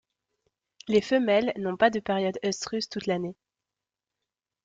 Les femelles n'ont pas de périodes œstrus toute l'année.